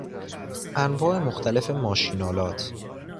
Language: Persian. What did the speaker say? انواع مختلف ماشینآلات